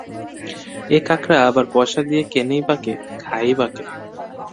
এ কাঁকড়া আবার পয়সা দিয়ে কেনেই বা কে, খায়ই বা কে?